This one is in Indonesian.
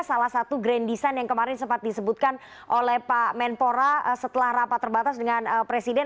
salah satu grand design yang kemarin sempat disebutkan oleh pak menpora setelah rapat terbatas dengan presiden